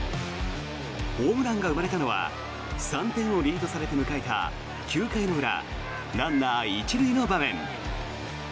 ホームランが生まれたのは３点をリードされて迎えた９回の裏ランナー１塁の場面。